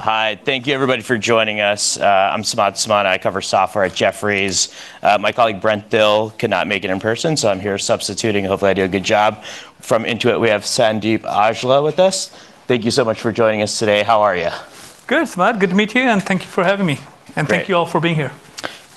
Hi. Thank you everybody for joining us. I'm Samad Samana, I cover software at Jefferies. My colleague, Brent Thill, could not make it in person, so I'm here substituting. Hopefully, I do a good job. From Intuit, we have Sandeep Aujla with us. Thank you so much for joining us today. How are you? Good, Samad. Good to meet you, thank you for having me. Great. Thank you all for being here.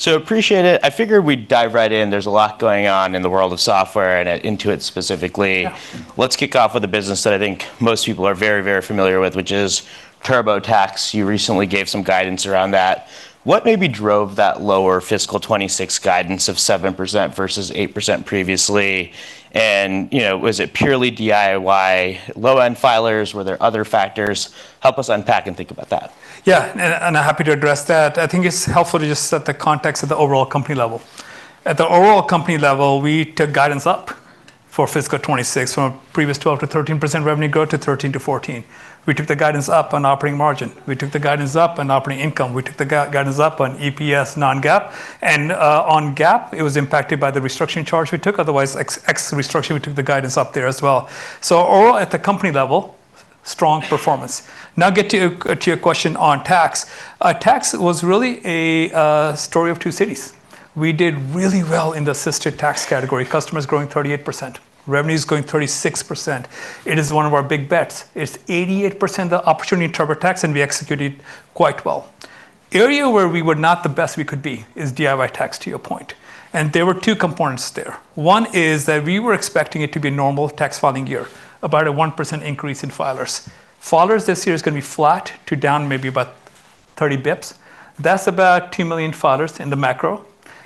Appreciate it. I figured we'd dive right in. There's a lot going on in the world of software and at Intuit specifically. Yeah. Let's kick off with the business that I think most people are very familiar with, which is TurboTax. You recently gave some guidance around that. What maybe drove that lower fiscal 2026 guidance of 7% versus 8% previously, and was it purely DIY low-end filers? Were there other factors? Help us unpack and think about that. Yeah. Happy to address that. I think it's helpful to just set the context of the overall company level. At the overall company level, we took guidance up for fiscal 2026 from a previous 12%-13% revenue growth to 13%-14%. We took the guidance up on operating margin. We took the guidance up on operating income. We took the guidance up on EPS non-GAAP. On GAAP it was impacted by the restructuring charge we took, otherwise ex restructuring, we took the guidance up there as well. Overall at the company level, strong performance. Get to your question on tax. Tax was really a story of two cities. We did really well in the assisted tax category. Customers growing 38%, revenues growing 36%. It is one of our big bets. It's 88% of the opportunity in TurboTax, and we executed quite well. Area where we were not the best we could be is DIY tax, to your point. There were two components there. One is that we were expecting it to be a normal tax filing year, about a 1% increase in filers. Filers this year is going to be flat to down maybe about 30 basis points. That's about 2 million filers in the macro.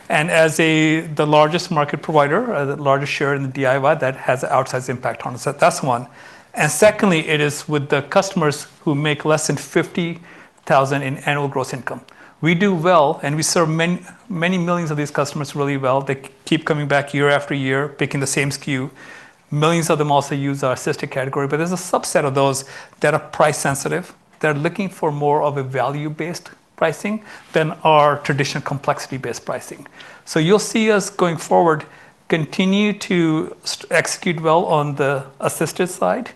As the largest market provider, the largest share in the DIY, that has an outsized impact on us. That's one. Secondly, it is with the customers who make less than $50,000 in annual gross income. We do well, and we serve many millions of these customers really well. They keep coming back year after year, picking the same SKU. Millions of them also use our assisted category, but there's a subset of those that are price sensitive. They're looking for more of a value-based pricing than our traditional complexity-based pricing. You'll see us going forward continue to execute well on the assisted side,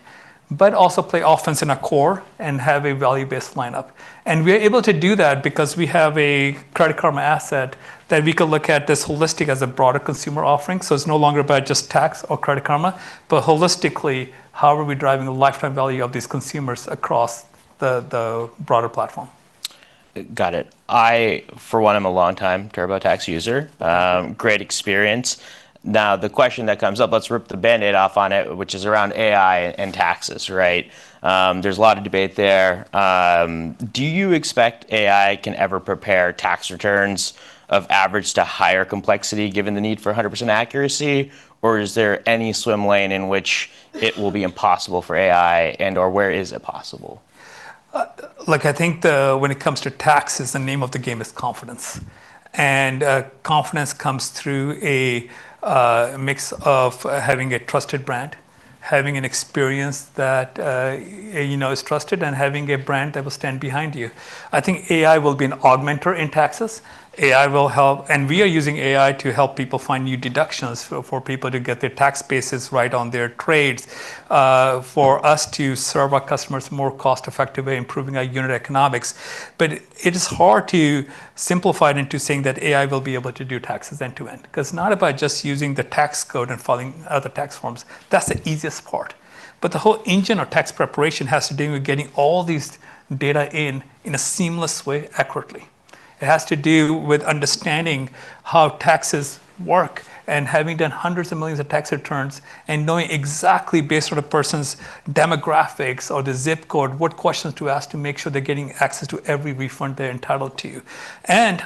but also play offense in our core and have a value-based lineup. We are able to do that because we have a Credit Karma asset that we could look at this holistic as a broader consumer offering. It's no longer about just tax or Credit Karma, but holistically, how are we driving the lifetime value of these consumers across the broader platform? Got it. I, for one, am a long-time TurboTax user. Great experience. The question that comes up, let's rip the Band-Aid off on it, which is around AI and taxes, right? There's a lot of debate there. Do you expect AI can ever prepare tax returns of average to higher complexity given the need for 100% accuracy? Or is there any swim lane in which it will be impossible for AI and/or where is it possible? Look, I think when it comes to taxes, the name of the game is confidence. Confidence comes through a mix of having a trusted brand, having an experience that is trusted, and having a brand that will stand behind you. I think AI will be an augmenter in taxes. AI will help, and we are using AI to help people find new deductions, for people to get their tax bases right on their trades, for us to serve our customers more cost-effective way, improving our unit economics. It is hard to simplify it into saying that AI will be able to do taxes end to end. It's not about just using the tax code and filing out the tax forms. That's the easiest part. The whole engine of tax preparation has to do with getting all these data in in a seamless way accurately. It has to do with understanding how taxes work and having done hundreds of millions of tax returns and knowing exactly based on a person's demographics or their zip code, what questions to ask to make sure they're getting access to every refund they're entitled to.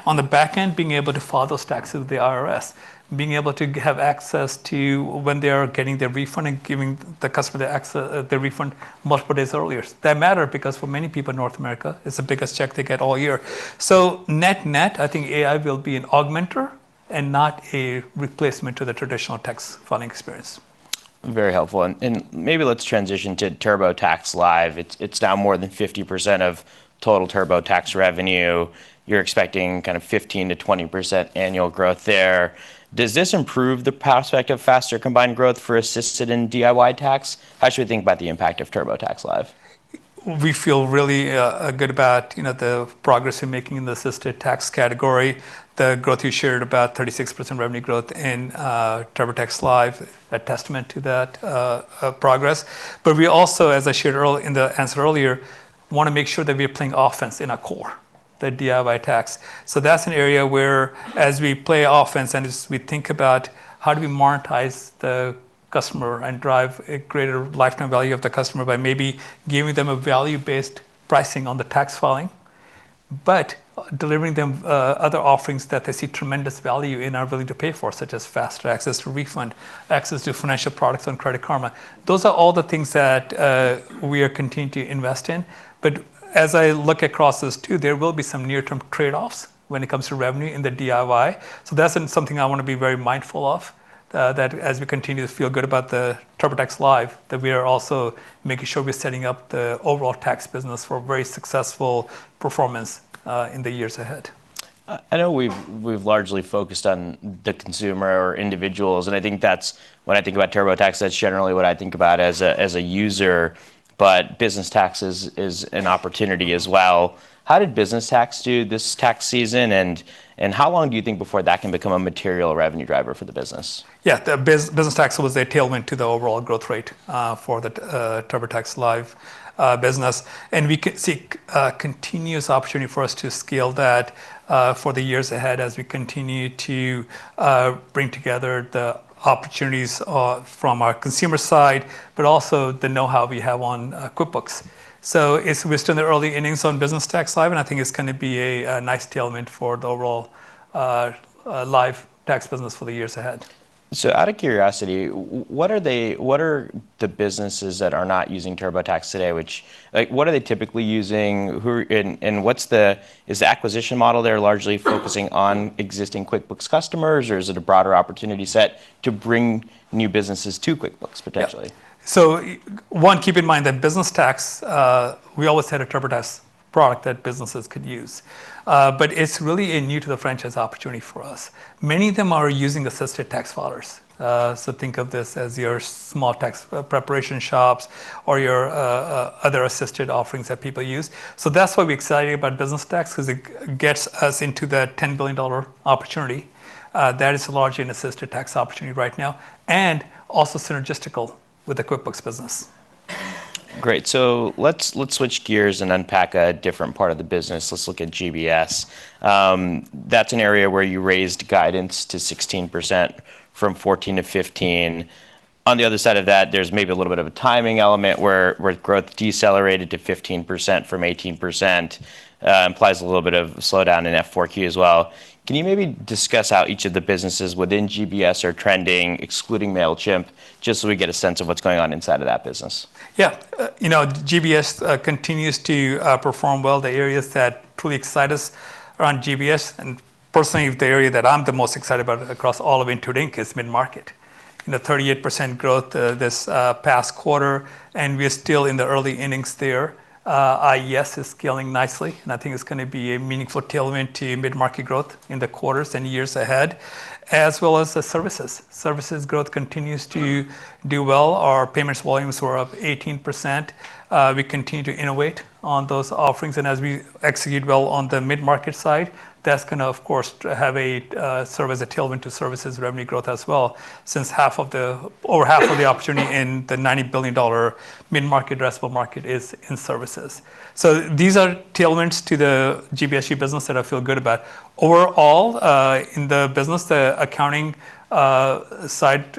On the back end, being able to file those taxes with the IRS, being able to have access to when they are getting their refund and giving the customer the refund multiple days earlier. That matter because, for many people in North America, it's the biggest check they get all year. Net-net, I think AI will be an augmenter and not a replacement to the traditional tax filing experience. Very helpful. Maybe let's transition to TurboTax Live. It's down more than 50% of total TurboTax revenue. You're expecting kind of 15%-20% annual growth there. Does this improve the prospect of faster combined growth for assisted and DIY tax? How should we think about the impact of TurboTax Live? We feel really good about the progress we're making in the assisted tax category. The growth you shared about 36% revenue growth in TurboTax Live, a testament to that progress. We also, as I shared in the answer earlier, want to make sure that we are playing offense in our core, the DIY tax. That's an area where as we play offense and as we think about how do we monetize the customer and drive a greater lifetime value of the customer by maybe giving them a value-based pricing on the tax filing, but delivering them other offerings that they see tremendous value in are willing to pay for, such as faster access to refund, access to financial products on Credit Karma. Those are all the things that we are continuing to invest in. As I look across those two, there will be some near-term trade-offs when it comes to revenue in the DIY. That's something I want to be very mindful of, that as we continue to feel good about the TurboTax Live, that we are also making sure we're setting up the overall tax business for a very successful performance in the years ahead. I know we've largely focused on the consumer or individuals, and when I think about TurboTax, that's generally what I think about as a user. Business tax is an opportunity as well. How did business tax do this tax season, and how long do you think before that can become a material revenue driver for the business? Yeah. The business tax was a tailwind to the overall growth rate for the TurboTax Live business, and we could see a continuous opportunity for us to scale that for the years ahead as we continue to bring together the opportunities from our consumer side, but also the know-how we have on QuickBooks. We're still in the early innings on QuickBooks Live Tax, and I think it's going to be a nice tailwind for the overall Live tax business for the years ahead. Out of curiosity, what are the businesses that are not using TurboTax today? What are they typically using? Is the acquisition model there largely focusing on existing QuickBooks customers, or is it a broader opportunity set to bring new businesses to QuickBooks, potentially? One, keep in mind that business tax, we always had a TurboTax product that businesses could use. It's really a new to the franchise opportunity for us. Many of them are using assisted tax filers. Think of this as your small tax preparation shops or your other assisted offerings that people use. That's why we're excited about business tax because it gets us into the $10 billion opportunity. That is largely an assisted tax opportunity right now, and also synergistical with the QuickBooks business. Great. Let's switch gears and unpack a different part of the business. Let's look at GBS. That's an area where you raised guidance to 16% from 14%-15%. On the other side of that, there's maybe a little bit of a timing element where growth decelerated to 15% from 18%, implies a little bit of slowdown in F4Q as well. Can you maybe discuss how each of the businesses within GBS are trending, excluding Mailchimp, just so we get a sense of what's going on inside of that business? Yeah. GBS continues to perform well. The areas that truly excite us around GBS, and personally, the area that I'm the most excited about across all of Intuit Inc. is mid-market. In the 38% growth this past quarter, and we are still in the early innings there. IES is scaling nicely, and I think it's going to be a meaningful tailwind to mid-market growth in the quarters and years ahead, as well as the services. Services growth continues to do well. Our payments volumes were up 18%. We continue to innovate on those offerings, and as we execute well on the mid-market side, that's going to, of course, serve as a tailwind to services revenue growth as well, since over half of the opportunity in the $90 billion mid-market addressable market is in services. These are tailwinds to the GBSU business that I feel good about. Overall, in the business, the accounting side,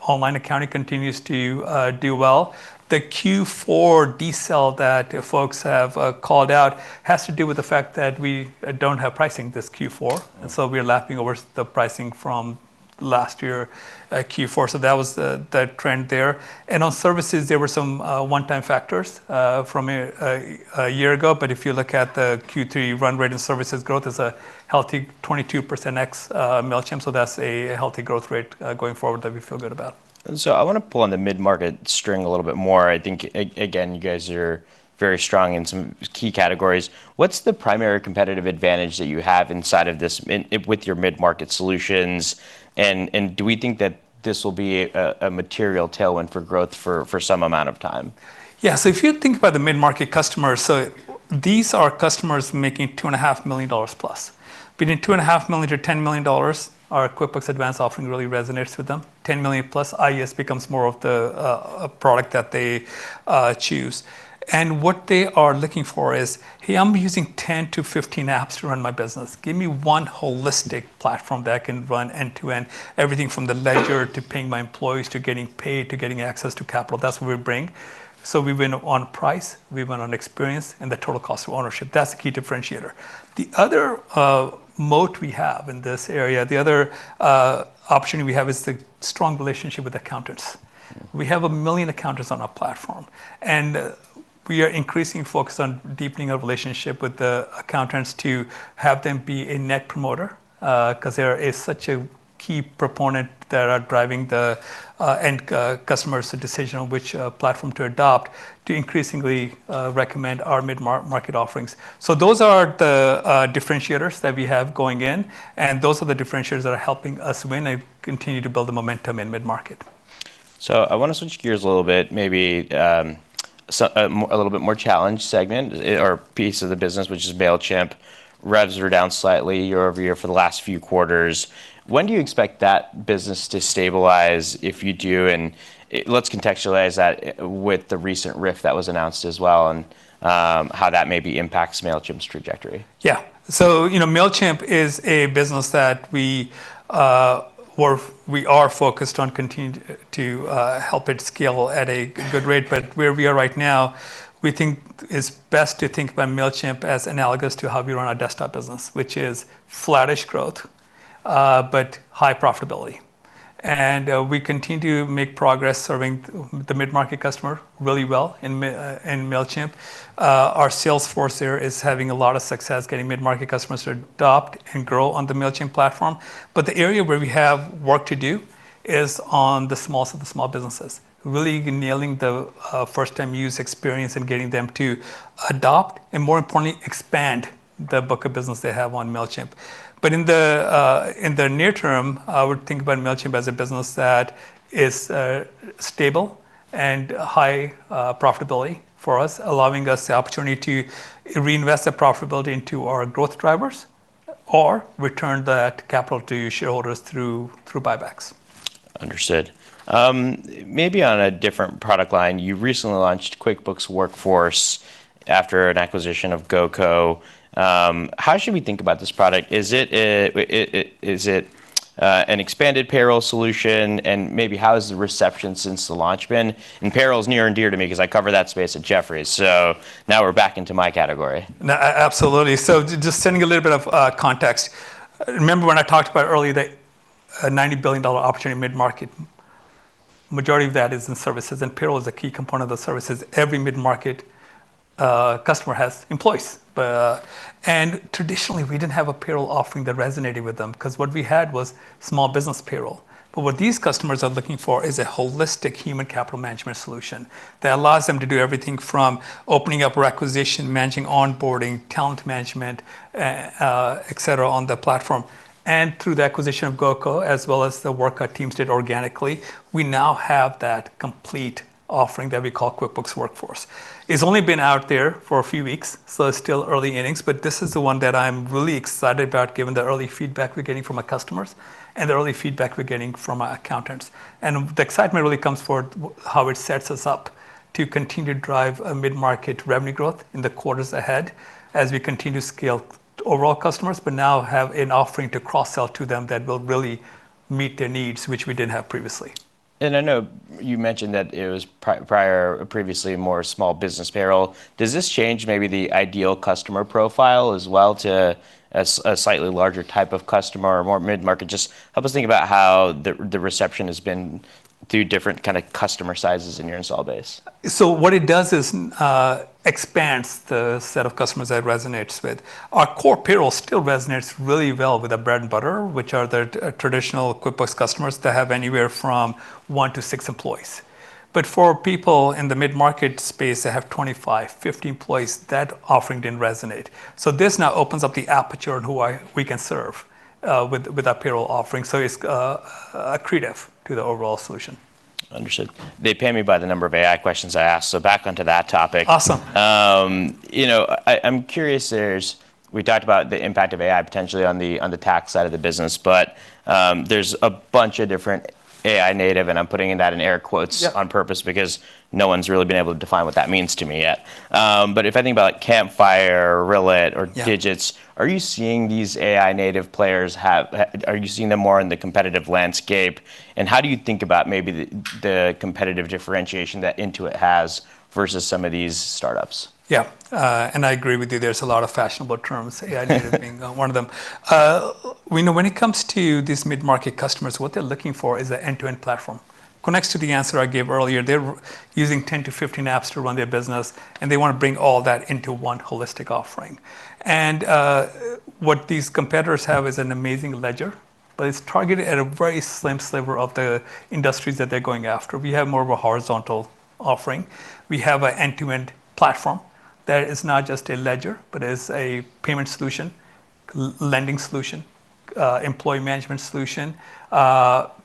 online accounting continues to do well. The Q4 decel that folks have called out has to do with the fact that we don't have pricing this Q4. We are lapping over the pricing from last year, Q4. That was the trend there. On services, there were some one-time factors from a year ago, but if you look at the Q3 run rate and services growth, there's a healthy 22% ex Mailchimp. That's a healthy growth rate going forward that we feel good about. I want to pull on the mid-market string a little bit more. I think, again, you guys are very strong in some key categories. What's the primary competitive advantage that you have inside of this with your mid-market solutions? Do we think that this will be a material tailwind for growth for some amount of time? Yeah. If you think about the mid-market customers, these are customers making $2.5 million+. Between $2.5 million-$10 million, our QuickBooks Advanced offering really resonates with them. $10 million+, IES becomes more of a product that they choose. What they are looking for is, "Hey, I'm using 10-15 apps to run my business. Give me one holistic platform that I can run end-to-end, everything from the ledger to paying my employees to getting paid to getting access to capital." That's what we bring. We win on price, we win on experience, and the total cost of ownership. That's the key differentiator. The other moat we have in this area, the other opportunity we have is the strong relationship with accountants. We have 1 million accountants on our platform. We are increasing focus on deepening our relationship with the accountants to have them be a net promoter, because they are such a key proponent that are driving the end customer's decision on which platform to adopt to increasingly recommend our mid-market offerings. Those are the differentiators that we have going in, and those are the differentiators that are helping us win and continue to build the momentum in mid-market. I want to switch gears a little bit, maybe a little bit more challenge segment or piece of the business, which is Mailchimp. Revenues were down slightly year-over-year for the last few quarters. When do you expect that business to stabilize, if you do, and let's contextualize that with the recent RIF that was announced as well, and how that maybe impacts Mailchimp's trajectory. Yeah. Mailchimp is a business that we are focused on continuing to help it scale at a good rate. Where we are right now, we think it's best to think about Mailchimp as analogous to how we run our desktop business, which is flattish growth, but high profitability. We continue to make progress serving the mid-market customer really well in Mailchimp. Our sales force there is having a lot of success getting mid-market customers to adopt and grow on the Mailchimp platform. The area where we have work to do is on the smallest of the small businesses, really nailing the first-time use experience and getting them to adopt, and more importantly, expand the book of business they have on Mailchimp. In the near term, I would think about Mailchimp as a business that is stable and high profitability for us, allowing us the opportunity to reinvest that profitability into our growth drivers or return that capital to shareholders through buybacks. Understood. Maybe on a different product line, you recently launched QuickBooks Workforce after an acquisition of GoCo. How should we think about this product? Is it an expanded payroll solution, and maybe how has the reception since the launch been? Payroll is near and dear to me because I cover that space at Jefferies. Now we're back into my category. No, absolutely. Just giving a little bit of context. Remember when I talked about earlier that a $90 billion opportunity mid-market, majority of that is in services, and payroll is a key component of the services. Every mid-market customer has employees. Traditionally, we didn't have a payroll offering that resonated with them because what we had was small business payroll. What these customers are looking for is a holistic human capital management solution that allows them to do everything from opening up a requisition, managing onboarding, talent management, et cetera, on the platform. Through the acquisition of GoCo, as well as the work our teams did organically, we now have that complete offering that we call QuickBooks Workforce. It's only been out there for a few weeks, so it's still early innings, but this is the one that I'm really excited about given the early feedback we're getting from our customers and the early feedback we're getting from our accountants. The excitement really comes for how it sets us up to continue to drive a mid-market revenue growth in the quarters ahead as we continue to scale overall customers, but now have an offering to cross-sell to them that will really meet their needs, which we didn't have previously. I know you mentioned that it was previously more small business payroll. Does this change maybe the ideal customer profile as well to a slightly larger type of customer or more mid-market? Just help us think about how the reception has been through different customer sizes in your install base. What it does is expands the set of customers that resonates with. Our core payroll still resonates really well with our bread and butter, which are the traditional QuickBooks customers that have anywhere from one to six employees. For people in the mid-market space that have 25, 50 employees, that offering didn't resonate. This now opens up the aperture on who we can serve with our payroll offering, so it's accretive to the overall solution. Understood. They pay me by the number of AI questions I ask, back onto that topic. Awesome. I'm curious, we talked about the impact of AI potentially on the tax side of the business, there's a bunch of different AI native, I'm putting that in air quotes- Yeah on purpose because no one's really been able to define what that means to me yet. If I think about Campfire or Relay or- Yeah Digits, are you seeing them more in the competitive landscape? How do you think about maybe the competitive differentiation that Intuit has versus some of these startups? Yeah. I agree with you, there's a lot of fashionable terms. AI native being one of them. When it comes to these mid-market customers, what they're looking for is an end-to-end platform. Connects to the answer I gave earlier. They're using 10-15 apps to run their business. They want to bring all that into one holistic offering. What these competitors have is an amazing ledger, but it's targeted at a very slim sliver of the industries that they're going after. We have more of a horizontal offering. We have an end-to-end platform that is not just a ledger, but is a payment solution, lending solution, employee management solution,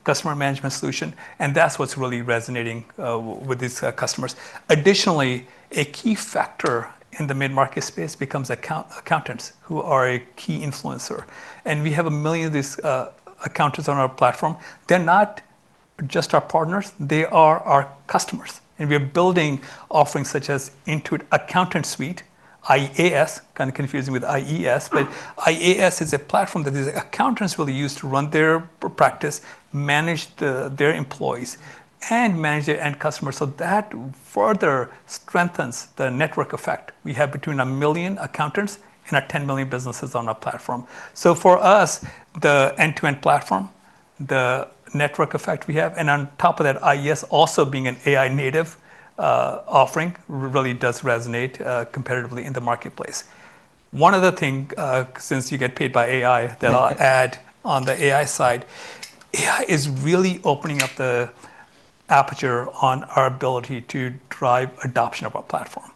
customer management solution, and that's what's really resonating with these customers. Additionally, a key factor in the mid-market space becomes accountants who are a key influencer. We have 1 million of these accountants on our platform. They're not just our partners, they are our customers. We are building offerings such as Intuit Accountant Suite, IAS, kind of confusing with IES, but IAS is a platform that these accountants will use to run their practice, manage their employees, and manage their end customers. That further strengthens the network effect. We have between 1 million accountants and 10 million businesses on our platform. For us, the end-to-end platform, the network effect we have, and on top of that, IAS also being an AI native offering really does resonate competitively in the marketplace. One other thing, since you get paid by AI, that I'll add on the AI side, AI is really opening up the aperture on our ability to drive adoption of our platform.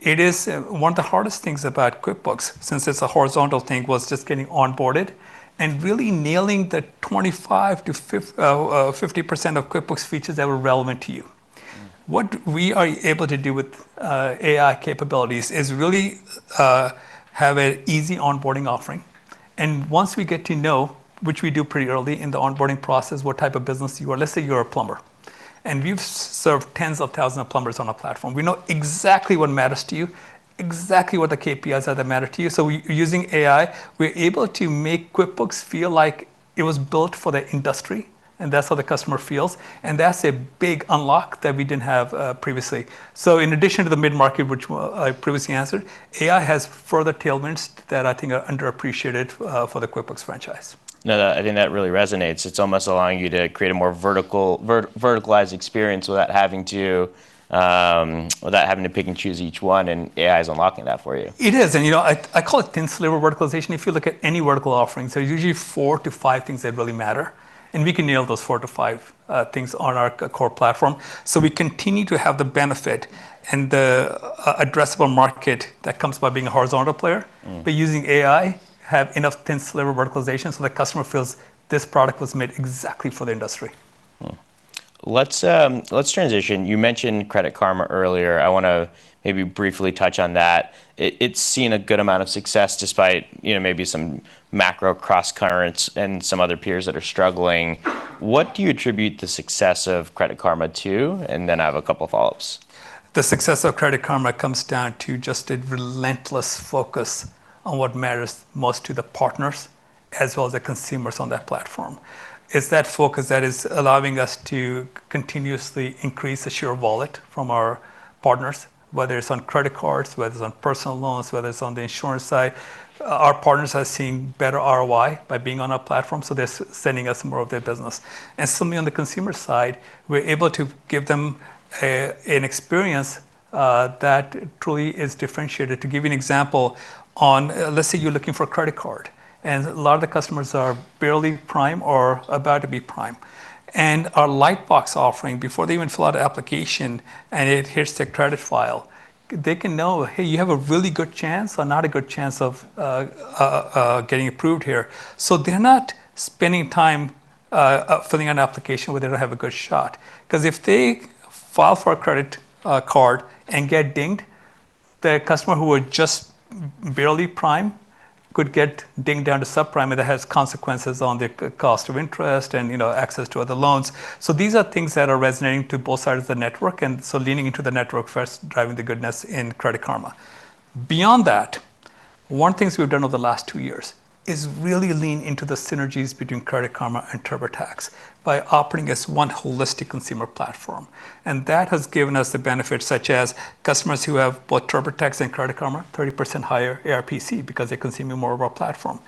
It is one of the hardest things about QuickBooks, since it's a horizontal thing, was just getting onboarded and really nailing the 25%-50% of QuickBooks features that were relevant to you. What we are able to do with AI capabilities is really have an easy onboarding offering. Once we get to know, which we do pretty early in the onboarding process, what type of business you are. Let's say you're a plumber, and we've served tens of thousands of plumbers on our platform. We know exactly what matters to you, exactly what the KPIs are that matter to you. Using AI, we're able to make QuickBooks feel like it was built for the industry, and that's how the customer feels, and that's a big unlock that we didn't have previously. In addition to the mid-market, which I previously answered, AI has further tailwinds that I think are underappreciated for the QuickBooks franchise. No, I think that really resonates. It's almost allowing you to create a more verticalized experience without having to pick and choose each one, and AI is unlocking that for you. It is, and I call it thin sliver verticalization. If you look at any vertical offering, there's usually four to five things that really matter, and we can nail those four to five things on our core platform. We continue to have the benefit and the addressable market that comes by being a horizontal player. Using AI, have enough thin sliver verticalization so the customer feels this product was made exactly for the industry. Mm-hmm. Let's transition. You mentioned Credit Karma earlier. I want to maybe briefly touch on that. It's seen a good amount of success despite maybe some macro cross currents and some other peers that are struggling. What do you attribute the success of Credit Karma to? Then I have a couple of follow-ups. The success of Credit Karma comes down to just a relentless focus on what matters most to the partners as well as the consumers on that platform. It's that focus that is allowing us to continuously increase the share of wallet from our partners, whether it's on credit cards, whether it's on personal loans, whether it's on the insurance side. Our partners are seeing better ROI by being on our platform, so they're sending us more of their business. Similarly on the consumer side, we're able to give them an experience that truly is differentiated. To give you an example, let's say you're looking for a credit card, and a lot of the customers are barely prime or about to be prime. Our Lightbox offering, before they even fill out an application and it hits their credit file, they can know, hey, you have a really good chance or not a good chance of getting approved here. They're not spending time filling out an application where they don't have a good shot. Because if they file for a credit card and get dinged, the customer who was just barely prime could get dinged down to subprime, and that has consequences on their cost of interest and access to other loans. These are things that are resonating to both sides of the network, and so leaning into the network first, driving the goodness in Credit Karma. Beyond that, one of the things we've done over the last two years is really lean into the synergies between Credit Karma and TurboTax by operating as one holistic consumer platform. That has given us the benefits such as customers who have both TurboTax and Credit Karma, 30% higher ARPC because they consume more of our platform.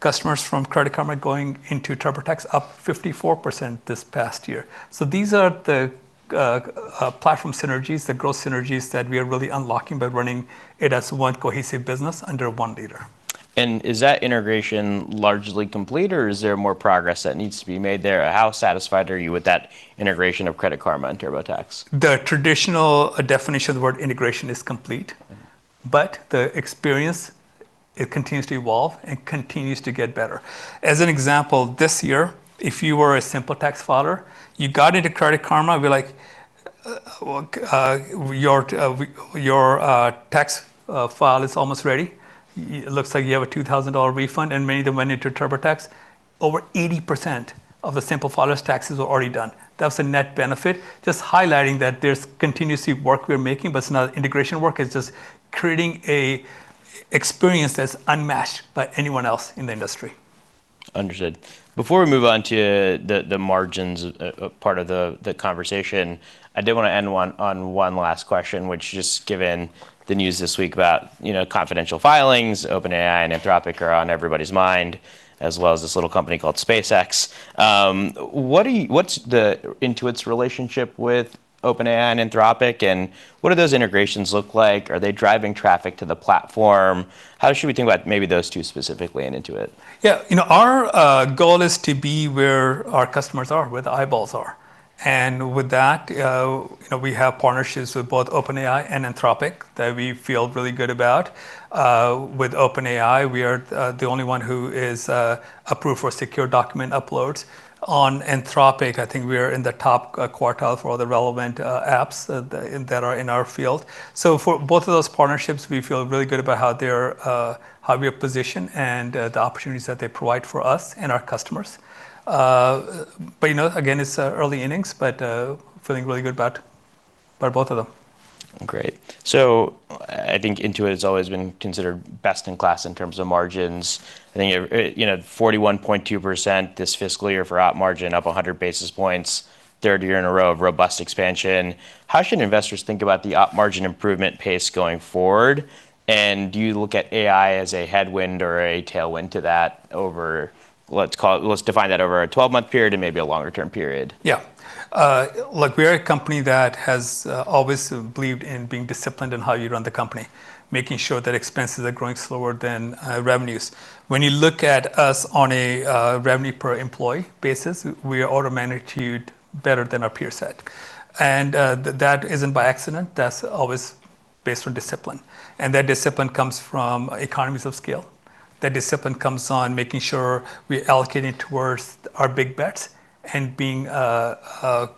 Customers from Credit Karma going into TurboTax up 54% this past year. These are the platform synergies, the growth synergies that we are really unlocking by running it as one cohesive business under one leader. Is that integration largely complete, or is there more progress that needs to be made there? How satisfied are you with that integration of Credit Karma and TurboTax? The traditional definition of the word integration is complete, but the experience, it continues to evolve and continues to get better. As an example, this year, if you were a simple tax filer, you got into Credit Karma, we're like, "Your tax file is almost ready. It looks like you have a $2,000 refund," and many of them went into TurboTax. Over 80% of the simple filer's taxes were already done. That's a net benefit. Just highlighting that there's continuously work we're making, but it's not integration work, it's just creating a experience that's unmatched by anyone else in the industry. Understood. Before we move on to the margins part of the conversation, I did want to end on one last question, which just given the news this week about confidential filings, OpenAI and Anthropic are on everybody's mind, as well as this little company called SpaceX. What's the Intuit's relationship with OpenAI and Anthropic, and what do those integrations look like? Are they driving traffic to the platform? How should we think about maybe those two specifically and Intuit? Yeah. Our goal is to be where our customers are, where the eyeballs are. With that, we have partnerships with both OpenAI and Anthropic that we feel really good about. With OpenAI, we are the only one who is approved for secure document uploads. On Anthropic, I think we are in the top quartile for all the relevant apps that are in our field. For both of those partnerships, we feel really good about how we are positioned and the opportunities that they provide for us and our customers. Again, it's early innings, but feeling really good about both of them. Great. I think Intuit has always been considered best in class in terms of margins. I think 41.2% this fiscal year for op margin up 100 basis points, third year in a row of robust expansion. How should investors think about the op margin improvement pace going forward? Do you look at AI as a headwind or a tailwind to that over, let's define that, over a 12-month period and maybe a longer term period? Yeah. Look, we're a company that has always believed in being disciplined in how you run the company, making sure that expenses are growing slower than revenues. When you look at us on a revenue per employee basis, we are order of magnitude better than our peer set. That isn't by accident. That's always based on discipline, and that discipline comes from economies of scale. That discipline comes on making sure we allocate it towards our big bets, and being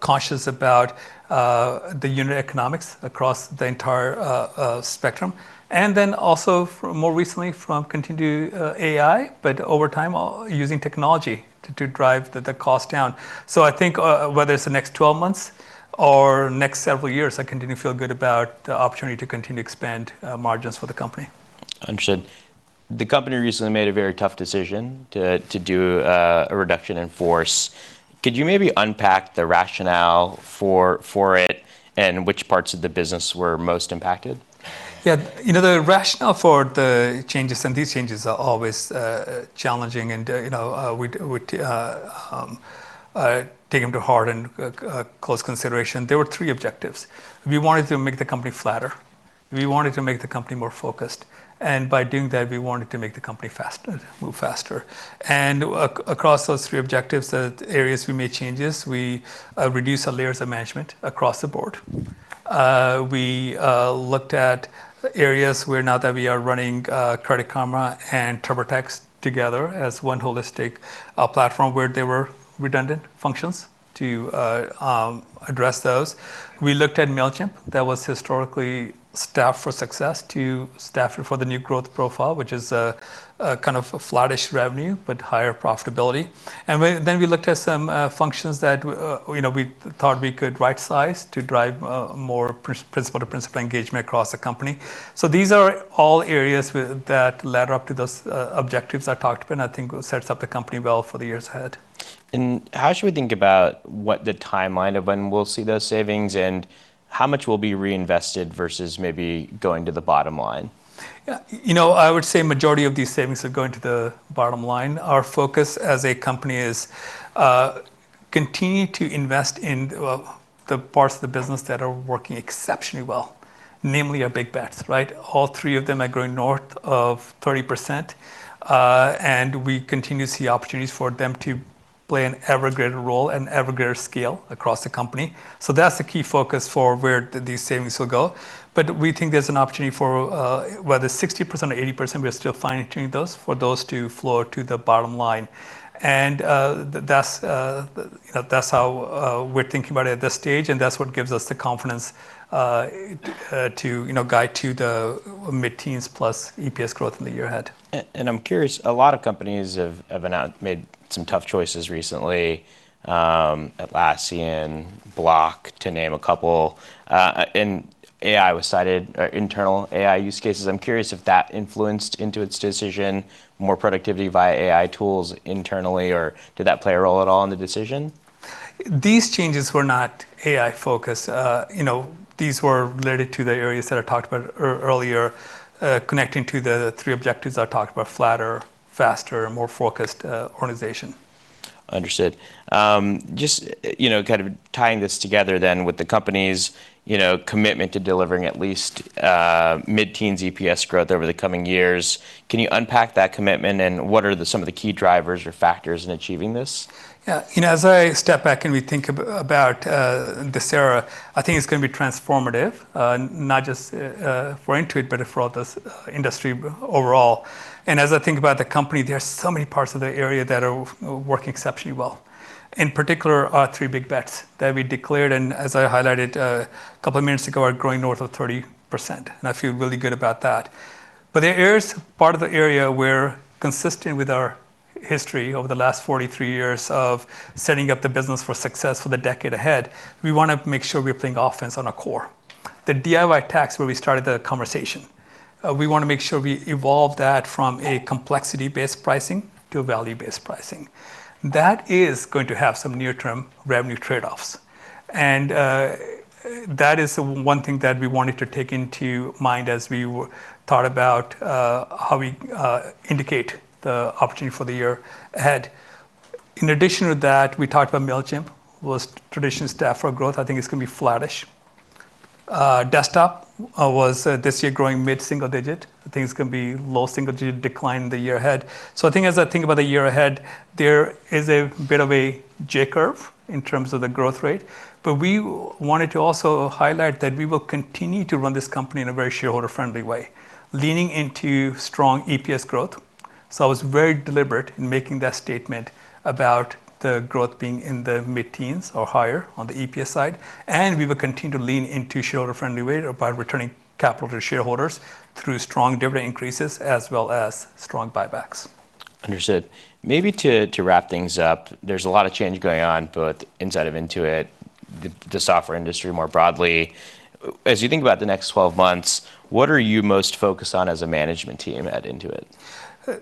cautious about the unit economics across the entire spectrum. Also more recently from continued AI, but over time, using technology to drive the cost down. I think whether it's the next 12 months or next several years, I continue to feel good about the opportunity to continue to expand margins for the company. Understood. The company recently made a very tough decision to do a reduction in force. Could you maybe unpack the rationale for it and which parts of the business were most impacted? Yeah. The rationale for the changes, these changes are always challenging, and we take them to heart in close consideration. There were three objectives. We wanted to make the company flatter. We wanted to make the company more focused. By doing that, we wanted to make the company faster, move faster. Across those three objectives, the areas we made changes, we reduced the layers of management across the board. We looked at areas where now that we are running Credit Karma and TurboTax together as one holistic platform where they were redundant functions to address those. We looked at Mailchimp, that was historically staffed for success to staff for the new growth profile, which is a kind of flattish revenue, but higher profitability. We looked at some functions that we thought we could rightsize to drive more principle to principle engagement across the company. These are all areas that ladder up to those objectives I talked about, and I think sets up the company well for the years ahead. How should we think about what the timeline of when we'll see those savings and how much will be reinvested versus maybe going to the bottom line? I would say majority of these savings are going to the bottom line. Our focus as a company is to continue to invest in the parts of the business that are working exceptionally well. Namely, our big bets. All three of them are growing north of 30%, and we continue to see opportunities for them to play an ever greater role and ever greater scale across the company. That's the key focus for where these savings will go. We think there's an opportunity for whether 60% or 80%, we are still fine-tuning those, for those to flow to the bottom line. That's how we're thinking about it at this stage, and that's what gives us the confidence to guide to the mid-teens plus EPS growth in the year ahead. I'm curious, a lot of companies have made some tough choices recently. Atlassian, Block, to name a couple, and AI was cited, internal AI use cases. I'm curious if that influenced Intuit's decision, more productivity via AI tools internally, or did that play a role at all in the decision? These changes were not AI-focused. These were related to the areas that I talked about earlier, connecting to the three objectives I talked about flatter, faster, more focused organization. Understood. Just kind of tying this together then with the company's commitment to delivering at least mid-teen EPS growth over the coming years, can you unpack that commitment, and what are some of the key drivers or factors in achieving this? Yeah. As I step back and we think about this era, I think it's going to be transformative, not just for Intuit, but for the industry overall. As I think about the company, there are so many parts of the area that are working exceptionally well. In particular, our three big bets that we declared, and as I highlighted a couple of minutes ago, are growing north of 30%, and I feel really good about that. There is part of the area where consistent with our history over the last 43 years of setting up the business for success for the decade ahead, we want to make sure we're playing offense on our core. The DIY tax, where we started the conversation. We want to make sure we evolve that from a complexity-based pricing to a value-based pricing. That is going to have some near-term revenue trade-offs. That is one thing that we wanted to take into mind as we thought about how we indicate the opportunity for the year ahead. In addition to that, we talked about Mailchimp, was traditional staff for growth. I think it's going to be flattish. Desktop was this year growing mid-single digit. I think it's going to be low single-digit decline the year ahead. I think as I think about the year ahead, there is a bit of a J-curve in terms of the growth rate, but we wanted to also highlight that we will continue to run this company in a very shareholder-friendly way, leaning into strong EPS growth. I was very deliberate in making that statement about the growth being in the mid-teens or higher on the EPS side, and we will continue to lean into shareholder-friendly way by returning capital to shareholders through strong dividend increases as well as strong buybacks. Understood. Maybe to wrap things up, there's a lot of change going on both inside of Intuit, the software industry more broadly. As you think about the next 12 months, what are you most focused on as a management team at Intuit?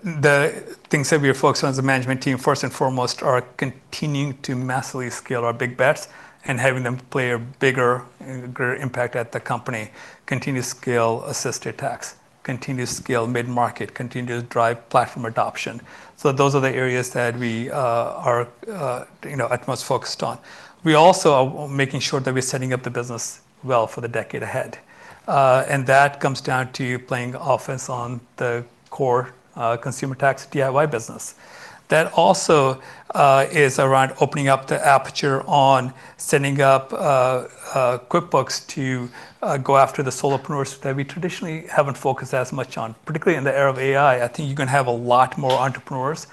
The things that we are focused on as a management team, first and foremost, are continuing to massively scale our big bets and having them play a bigger impact at the company. Continue to scale assisted tax, continue to scale mid-market, continue to drive platform adoption. Those are the areas that we are at most focused on. We also are making sure that we're setting up the business well for the decade ahead. That comes down to playing offense on the core consumer tax DIY business. That also is around opening up the aperture on setting up QuickBooks to go after the solopreneurs that we traditionally haven't focused as much on, particularly in the era of AI, I think you're going to have a lot more entrepreneurs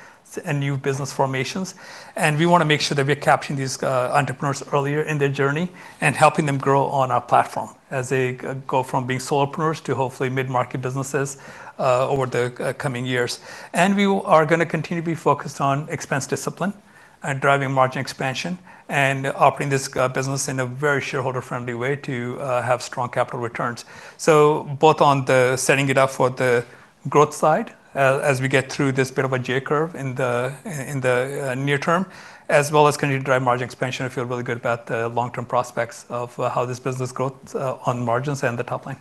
and new business formations, and we want to make sure that we're capturing these entrepreneurs earlier in their journey and helping them grow on our platform as they go from being solopreneurs to hopefully mid-market businesses, over the coming years. We are going to continue to be focused on expense discipline and driving margin expansion and operating this business in a very shareholder-friendly way to have strong capital returns. Both on the setting it up for the growth side as we get through this bit of a J-curve in the near term, as well as continue to drive margin expansion. I feel really good about the long-term prospects of how this business grows on margins and the top line.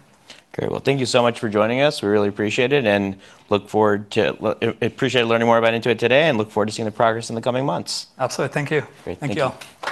Great. Well, thank you so much for joining us. We really appreciate it and appreciate learning more about Intuit today and look forward to seeing the progress in the coming months. Absolutely. Thank you. Great. Thank you.